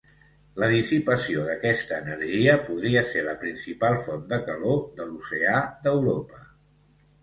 La dissipació d'aquesta energia podria ser la principal font de calor de l'oceà d'Europa.